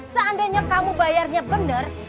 seandainya kamu bayarnya bener